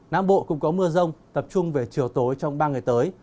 nam bộ cũng có mưa rông tập trung về chiều tối trong ba ngày tới